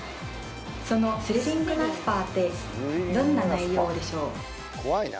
そのスリリングなスパってどんな内容でしょう？